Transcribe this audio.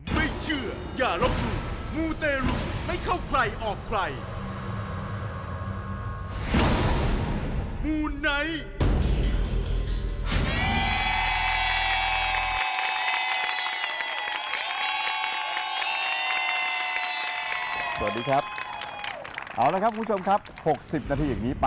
มูนไนท์